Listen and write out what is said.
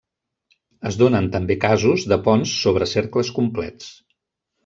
Es donen també casos de ponts sobre cercles complets.